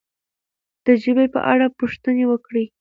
د ژبې په اړه پوښتنې وکړئ.